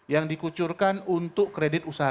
yang dikucurkan untuk kredit usaha